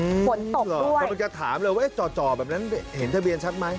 ฝนตกเหรอกำลังจะถามเลยว่าจ่อแบบนั้นเห็นทะเบียนชัดไหม